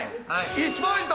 １ポイント。